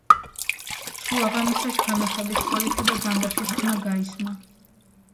შუაღამისას ქვემეხების სროლისა და განგაშის ხმა გაისმა.